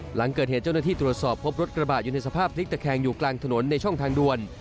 หลังเกิดเหตุเจ้าหน้าที่ตรวจสอบพบรถกระบะอยู่ในสภาพพลิกตะแคงอยู่กลางถนนในช่องทางด่วน